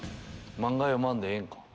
漫画読まんでええんか？